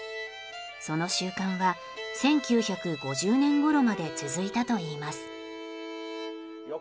その習慣は１９５０年ごろまで続いたといいます。